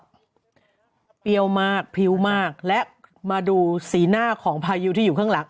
เปรี้ยวมากพริ้วมากและมาดูสีหน้าของพายุที่อยู่ข้างหลัง